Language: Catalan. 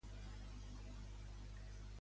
Narra la nit d'una noia espanyola a Berlin.